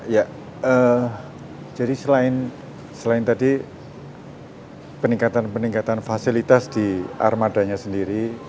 ya jadi selain tadi peningkatan peningkatan fasilitas di armadanya sendiri